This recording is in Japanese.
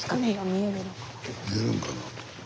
見えるんかな。